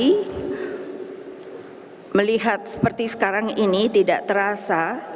saya ingin melihat seperti sekarang ini tidak terasa